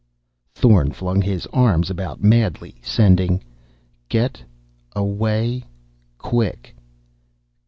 Thorn flung his arms about madly, sending: "G e t a w a y q u i c k.